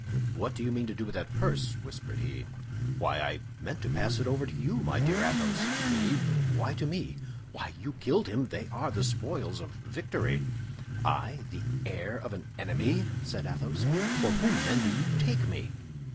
"What do you mean to do with that purse?" whispered he. "Why, I meant to pass it over to you, my dear Athos." "Me! why to me?" "Why, you killed him! They are the spoils of victory." "I, the heir of an enemy!" said Athos; "for whom, then, do you take me?"